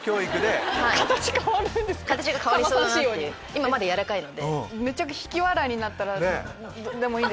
今まだやらかいので。